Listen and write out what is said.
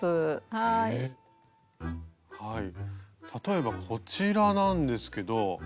はい例えばこちらなんですけど。